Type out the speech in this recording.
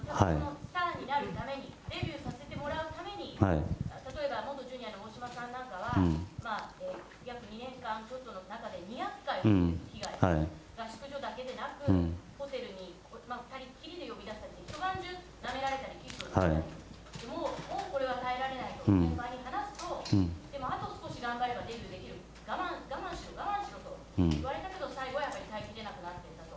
スターになるために、デビューさせてもらうために、例えば元ジュニアのさんなんかは、約２年間ちょっとの中で、２００回も被害、合宿所だけでなく、ホテルに２人っきりで呼び出されて一晩中、なめられたりキスされたり、もうこれは耐えられないと、先輩に話すと、あと少し頑張ればデビューできる、我慢して、我慢しろと言われたけど、最後は耐えきれなくなったと。